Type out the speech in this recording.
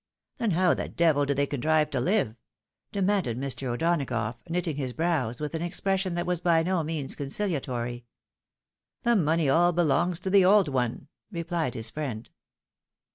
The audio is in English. " Then how the devil do they, contrive to live?" demanded Mr. O'Donagough, knitting his brows with an expression that was by no means concihatory. " 'Ihe money all belongs to the old one," replied his friend.